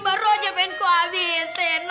baru aja pengen aku habisin